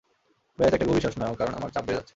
ব্যস একটা গভীর শ্বাস নাও কারণ আমার চাপ বেড়ে যাচ্ছে।